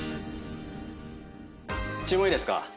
注文いいですか？